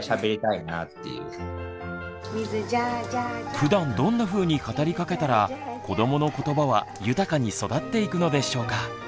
ふだんどんなふうに語りかけたら子どものことばは豊かに育っていくのでしょうか？